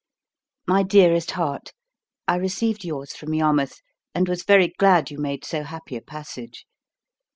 My Dearest Heart, I received yours from Yarmouth, and was very glad you made so happy a passage.